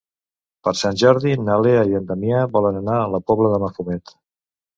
Per Sant Jordi na Lea i en Damià volen anar a la Pobla de Mafumet.